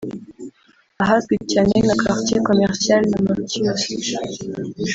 ahazwi cyane nka Quartier Commercial na Matheus